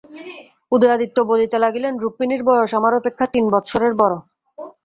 উদয়াদিত্য বলিতে লাগিলেন, রুক্মিণীর বয়স আমার অপেক্ষা তিন বৎসরের বড়ো।